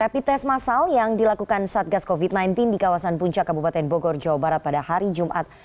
rapid test masal yang dilakukan satgas covid sembilan belas di kawasan puncak kabupaten bogor jawa barat pada hari jumat